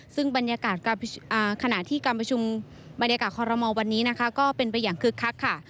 ซึ่งบรรยากาศขณะที่การประชุมบรรยากาศคอรมอลวันนี้นะคะก็เป็นไปอย่างคึกคักค่ะ